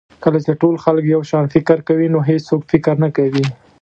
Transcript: کله چې ټول خلک یو شان فکر کوي نو هېڅوک فکر نه کوي.